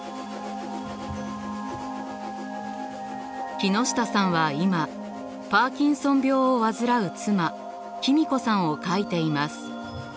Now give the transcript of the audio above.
木下さんは今パーキンソン病を患う妻君子さんを描いています。